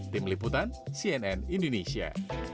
tim liputan cnn indonesia